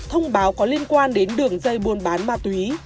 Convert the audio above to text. thông báo có liên quan đến đường dây buôn bán ma túy